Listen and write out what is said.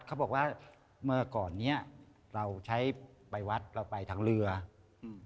เขาบอกว่าเมื่อก่อนเนี้ยเราใช้ไปวัดเราไปทางเรืออืม